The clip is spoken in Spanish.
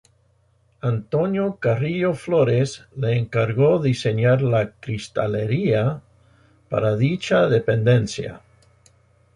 Antonio Carrillo Flores le encargó diseñar la cristalería para dicha dependencia.